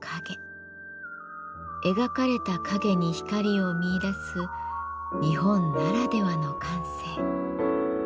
描かれた影に光を見いだす日本ならではの感性。